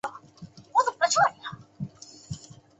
巴尔德斯皮诺则声称将不惜抹黑其声誉。